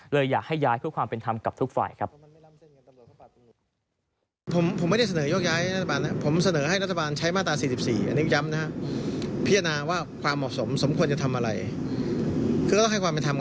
อยากให้ย้ายเพื่อความเป็นธรรมกับทุกฝ่ายครับ